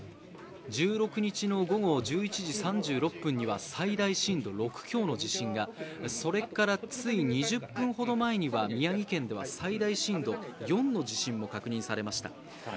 １６日の午後１１時３６分には最大震度６強の地震がそれから、つい２０分ほど前には宮城県では最大震度４の地震も確認されました。